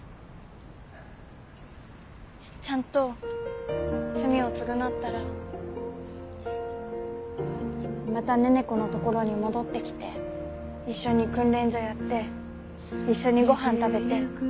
ちゃんと罪を償ったらまた寧々子のところに戻ってきて一緒に訓練所やって一緒にご飯食べて生きていく。